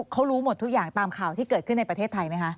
เขารู้หมดทุกอย่างตามข่าวที่เกิดขึ้นในประเทศไทยไหมคะ